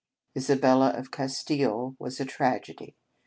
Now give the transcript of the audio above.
" Isabella of Castile " was a tragedy.